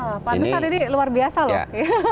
wah panutan ini luar biasa loh